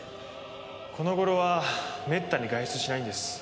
この頃はめったに外出しないんです。